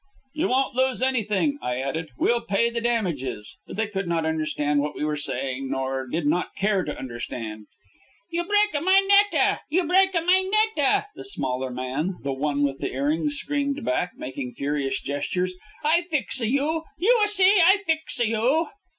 "You won't lose anything!" I added. "We'll pay the damages!" But they could not understand what we were saying, or did not care to understand. "You break a my net a! You break a my net a!" the smaller man, the one with the earrings, screamed back, making furious gestures. "I fix a you! You a see, I fix a you!"